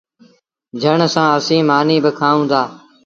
جھڻ سآݩ اسيٚݩ مآݩيٚ با کآئوݩ دآ۔